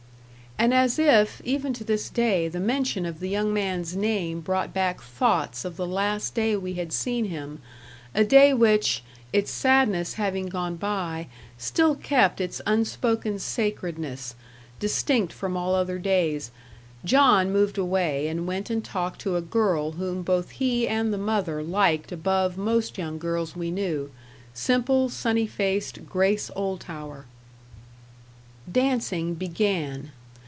And as if, even to this day, the mention of the young man's name brought back thoughts of the last day we had seen him a day which, its sadness having gone by, still kept its unspoken sacredness, distinct from all other days John moved away and went and talked to a girl whom both he and the mother liked above most young girls we knew simple, sunny faced Grace Oldtower. Dancing began.